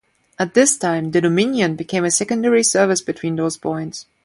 At this time "The Dominion" became a secondary service between those points.